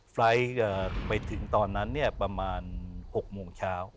ไฟล์ทไปถึงตอนนั้นประมาณ๖โมงเช้า